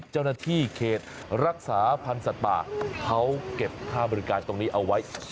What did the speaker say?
เจ้าหน้าที่เขตรักษาพันธ์สัตว์ป่าเขาเก็บค่าบริการตรงนี้เอาไว้